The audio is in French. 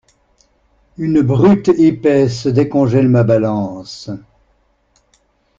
Une brute épaisse décongèle ma balance.